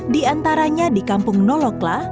di antaranya di kampung nolokla